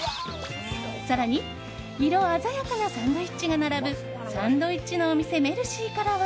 更に色鮮やかなサンドイッチが並ぶサンドイッチのお店Ｍｅｒｃｉからは